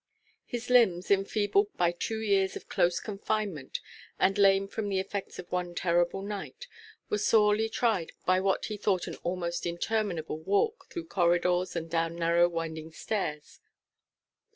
His limbs, enfeebled by two years of close confinement, and lame from the effects of one terrible night, were sorely tried by what he thought an almost interminable walk through corridors and down narrow winding stairs.